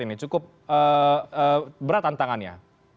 ini cukup berat tantangannya